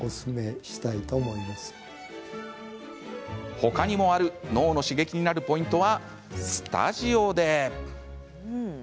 他にもある脳の刺激になるポイントはスタジオで。